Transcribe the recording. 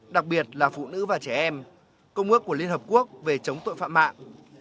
đặc biệt là phụ nữ và trẻ em công ước của liên hợp quốc về chống tội phạm mạng